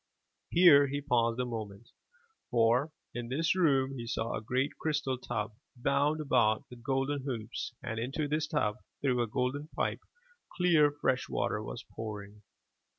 Here he paused a moment, for, in this room he saw a great crystal tub, bound about with golden hoops, and into this tub through a golden pipe, clear, fresh water was pouring.